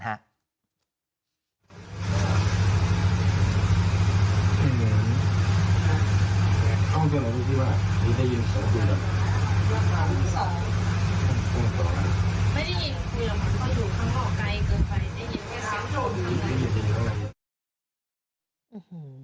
ใครที่ยินแค่นั้นโจดให้